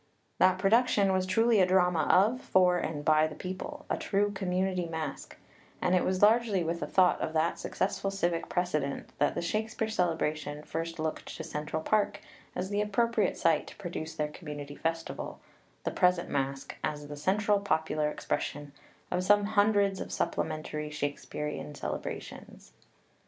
1 That production was truly a drama of, for, and by the people a true Community Masque; and it was largely with the thought of that successful civic precedent that the Shakespeare Celebration first looked to Central Park as the appropriate site to produce their Community Festival, the present Masque, as the central popular expression of some hundreds of supplementary Shake spearean celebrations.